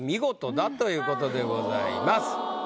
だということでございます。